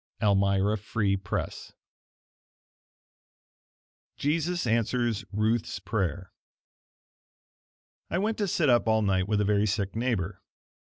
Elmira Free Press Jesus Answers Ruth's Prayer I went to sit up all night with a very sick neighbor.